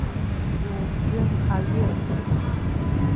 Иумжәын аҩы.